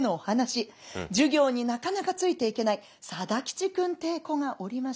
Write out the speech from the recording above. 授業になかなかついていけない定吉くんってえ子がおりまして。